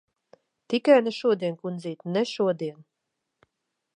Tikai ne šodien, kundzīt. Ne šodien!